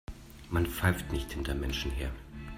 Man pfeift nicht hinter Menschen her.